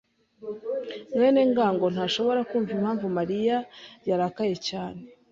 mwene ngango ntashobora kumva impamvu Mariya yarakaye cyane.